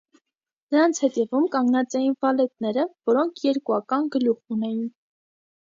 Նրանց հետևում կանգնած էին վալետները, որոնք երկուական գլուխ ունեին։